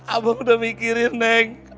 abang udah mikirin neng